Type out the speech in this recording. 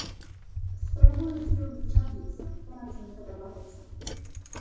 Спрабую, усё ж, зачапіцца, праца мне падабаецца.